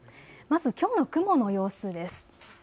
きょうの雲の様子です。